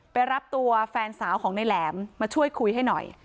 ไปรับตัวแฟนสาวของนายแหลมมาช่วยคุยให้หน่อย